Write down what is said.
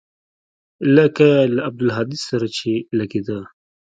لکه له عبدالهادي سره چې لګېده.